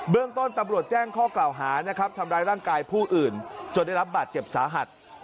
เรื่องต้นตำรวจแจ้งข้อกล่าวหานะครับทำร้ายร่างกายผู้อื่นจนได้รับบาดเจ็บสาหัส